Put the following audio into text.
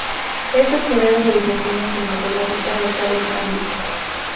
Estas primeras realizaciones cinematográficas locales eran "vistas".